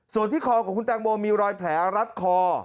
ส่วนที่คอของคุณแตงโมมีรอยแผลรัดคอ